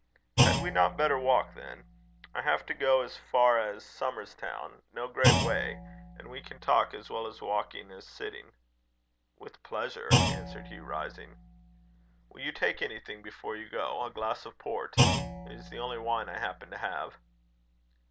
"Had we not better walk, then? I have to go as far as Somers Town no great way; and we can talk as well walking as sitting." "With pleasure," answered Hugh, rising. "Will you take anything before you go? A glass of port? It is the only wine I happen to have."